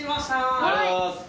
ありがとうございます。